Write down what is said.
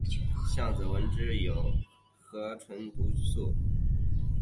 橡子织纹螺具有河鲀毒素。